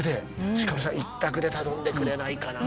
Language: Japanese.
「鹿野さん一択で頼んでくれないかな」